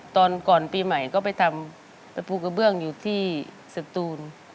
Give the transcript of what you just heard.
ตอนก่อนปีใหม่ก็ไปทำไปภูกระเบื้องอยู่ที่สตูน